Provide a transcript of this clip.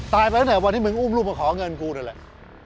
ไปตั้งแต่วันที่มึงอุ้มลูกมาขอเงินกูนั่นแหละ